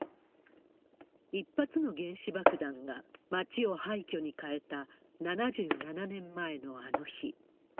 １発の原子爆弾が町を廃虚に変えた７７年前のあの日。